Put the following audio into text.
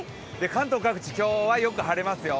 関東各地、今日はよく晴れますよ。